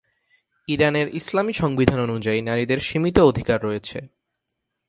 ইরানের ইসলামী সংবিধান অনুযায়ী নারীদের সীমিত অধিকার রয়েছে।